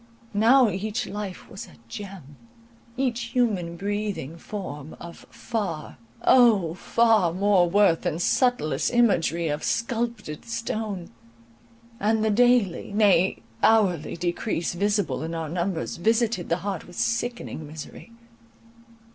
Now each life was a gem, each human breathing form of far, O! far more worth than subtlest imagery of sculptured stone; and the daily, nay, hourly decrease visible in our numbers, visited the heart with sickening misery.